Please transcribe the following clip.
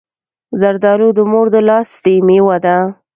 زردالو د مور د لاستی مېوه ده.